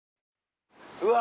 うわ。